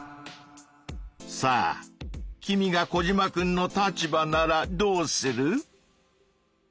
さあ君がコジマくんの立場ならどうする？